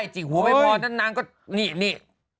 จิ๊กหัวไม่พอแล้วนางก็นี่นี่